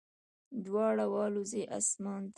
دواړه والوزو اسمان ته